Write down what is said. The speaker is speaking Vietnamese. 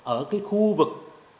ở cái khu vực